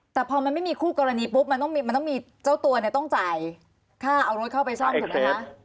แต่พอมันไม่มีคู่กรณีปุ๊บมันต้องมีเจ้าตัวเนี่ยต้องจ่ายค่าเอารถเข้าไปซ่อมถูกไหมคะ